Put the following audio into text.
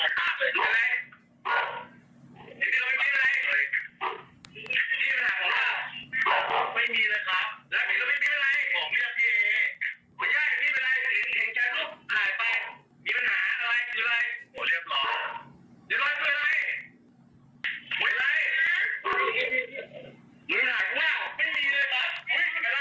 คุณผู้ชมลองไปดูคลิปนะคะ